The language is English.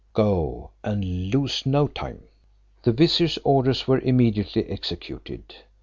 Go, and lose no time." The vizier's orders were immediately executed.